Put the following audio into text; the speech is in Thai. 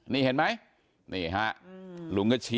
นี่เห็นมั้ยนี่ฮะหื้อ